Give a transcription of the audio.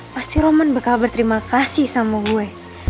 pasti roman bakal berterima kasih sama gue